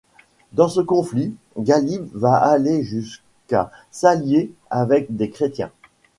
Dans ce conflit, Ghâlib va aller jusqu'à s'allier avec des Chrétiens.